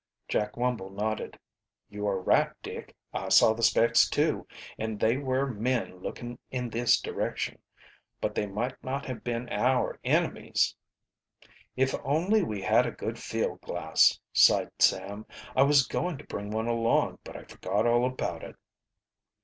Jack Wumble nodded. "You are right, Dick, I saw the specks too, and they were men looking in this direction. But they might not have been our enemies." "If only we had a good field glass," sighed Sam. "I was going to bring one along, but I forgot all about it."